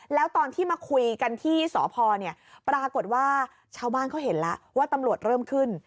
แล้วตอนที่มาคุยกันที่สพเนี่ยปรากฏว่าชาวบ้านเขาเห็นแล้วว่าตำรวจเริ่มขึ้น